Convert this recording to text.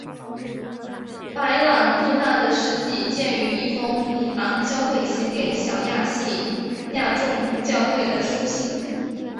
白郎弟娜的事迹见于一封里昂教会写给小亚细亚众教会的书信。